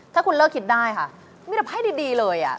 ถ้าคุณเลิกคิดได้ค่ะมีแต่ไพ่ดีเลย